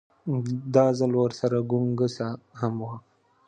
دا ځل ورسره ګونګسه هم وه.